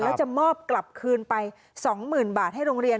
แล้วจะมอบกลับคืนไป๒๐๐๐บาทให้โรงเรียน